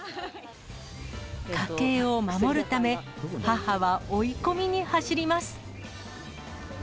家計を守るため、母は追い込みに走ります。